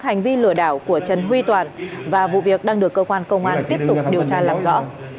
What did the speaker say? hành vi lừa đảo của trần huy toàn và vụ việc đang được cơ quan công an tiếp tục điều tra làm rõ